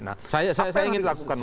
nah apa yang harus dilakukan mas